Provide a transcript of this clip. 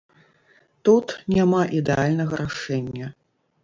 Тут няма ідэальнага рашэння.